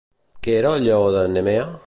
Què era el Lleó de Nemea?